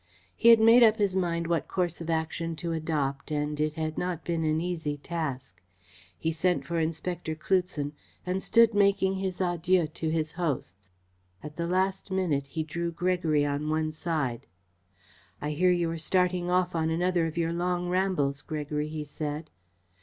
He had made up his mind what course of action to adopt and it had not been an easy task. He sent for Inspector Cloutson and stood making his adieux to his hosts. At the last minute he drew Gregory on one side. "I hear you are starting off on another of your long rambles, Gregory," he said.